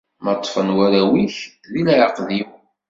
Ma ṭṭfen warraw-ik di leɛqed-iw.